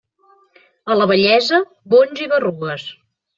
A la vellesa, bonys i berrugues.